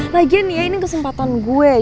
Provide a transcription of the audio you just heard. lagian ya ini kesempatan gue